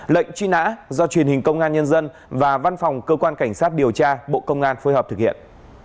lệnh truy nã do truyền hình công an nhân dân và văn phòng cơ quan cảnh sát điều tra bộ công an phối hợp thực hiện